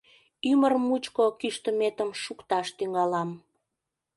Ӱмыр мучко кӱштыметым шукташ тӱҥалам.